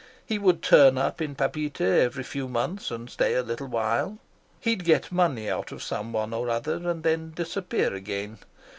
He would turn up in Papeete every few months and stay a little while; he'd get money out of someone or other and then disappear again.